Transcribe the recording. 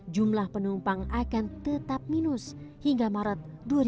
jumlah penumpang akan tetap minus hingga maret dua ribu dua puluh